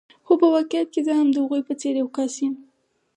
خو په واقعیت کې زه هم د هغوی په څېر یو کس یم.